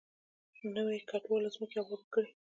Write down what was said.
نویو کډوالو ځمکې ابادې کړې.